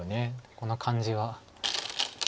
この感じは。